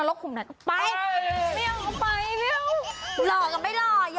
น้องตาวไม่มีใครเอาเลย